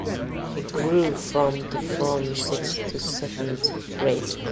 He grew from to from sixth to seventh grade.